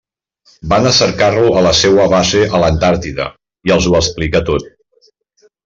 Van a cercar-lo a la seua base a l'Antàrtida, i els ho explica tot.